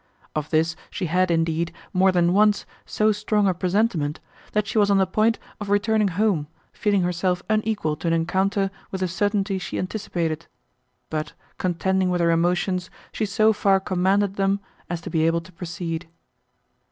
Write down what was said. Of this she had, indeed, more than once so strong a presentiment, that she was on the point of returning home, feeling herself unequal to an encounter with the certainty she anticipated, but, contending with her emotions, she so far commanded them, as to be able to proceed.